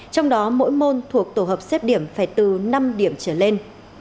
trong đó mỗi môn thuộc tổ hợp xét điểm phải từ năm điểm trở lên